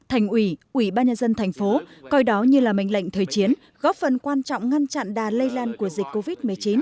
thành ủy ủy ban nhân dân thành phố coi đó như là mệnh lệnh thời chiến góp phần quan trọng ngăn chặn đà lây lan của dịch covid một mươi chín